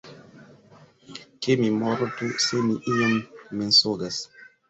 Ke mi mortu, se mi iom mensogas!